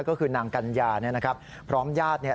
ก็คือนางกัญญาเนี่ยนะครับพร้อมญาติเนี่ย